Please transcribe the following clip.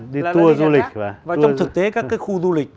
đi tour du lịch và trong thực tế các cái khu du lịch